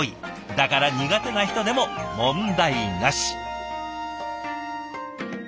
だから苦手な人でも問題なし。